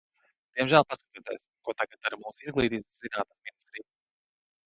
Diemžēl paskatieties, ko tad dara mūsu Izglītības un zinātnes ministrija!